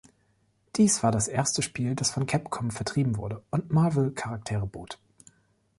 Dies war das erste Spiel, das von Capcom vertrieben wurde und Marvel Charaktere bot.